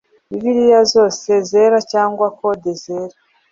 Bibiliya zose zera cyangwa code zera